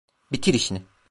Bitir işini.